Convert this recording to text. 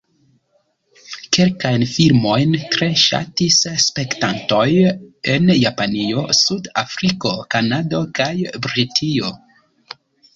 Kelkajn filmojn tre ŝatis spektantoj en Japanio, Sud-Afriko, Kanado kaj Britio.